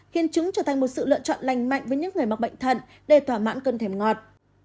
khiến chúng trở thành một sự lựa chọn lành mạnh với những người mắc bệnh thận để tỏa mãn cân thềm ngọt